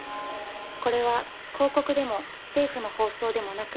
これは、広告でも政府の放送でもなく。